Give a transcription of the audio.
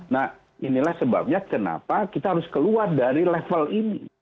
nah inilah sebabnya kenapa kita harus keluar dari level ini